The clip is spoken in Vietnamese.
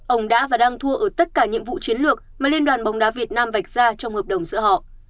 ông đã và đang thua ở tất cả nhiệm vụ chiến lược mà liên đoàn bóng đá việt nam vạch ra trong hợp đồng giữa họ